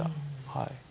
はい。